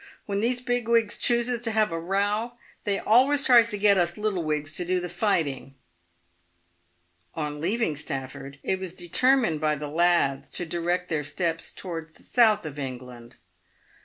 When these big wigs chooses to have a row, they alwers tries to get us little wigs to do the fighting." On leaving Stafford, it was determined by the lads to direct their steps towards the south of England.